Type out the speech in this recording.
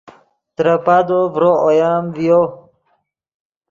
ترے پادو ڤرو اوئیم ڤیو